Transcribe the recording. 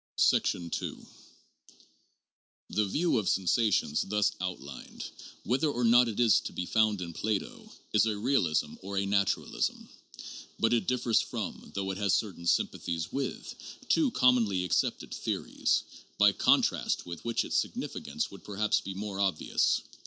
II The view of sensations thus outlined, whether or not it is to be found in Plato, is a realism or naturalism. But it differs from, though it has certain sympathies with, two commonly accepted the ories, by contrast with which its significance would perhaps be more obvious.